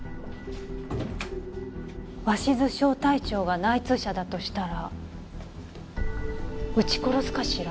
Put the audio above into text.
鷲頭小隊長が内通者だとしたら撃ち殺すかしら？